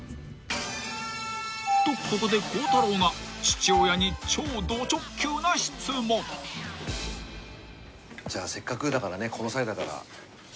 ［とここで孝太郎が父親に超ど直球な質問］じゃあせっかくだからね。